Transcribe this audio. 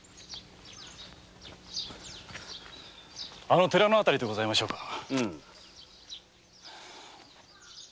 あの寺の辺りでございましょうか。